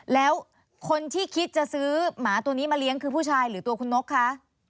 แล้วคนที่คิดจะซื้อหมาตัวนี้มาเลี้ยงคือผู้ชายหรือตัวคุณนกคะ